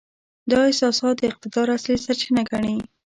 دا احساسات د اقتدار اصلي سرچینه ګڼي.